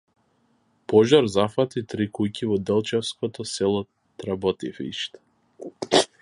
Пожар зафати три куќи во делчевското село Тработивиште